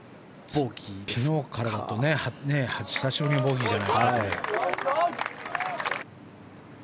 昨日からだと久しぶりのボギーじゃないですか。